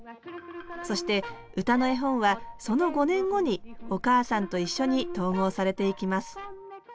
そして「うたのえほん」はその５年後に「おかあさんといっしょ」に統合されていきます。